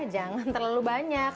jangan terlalu banyak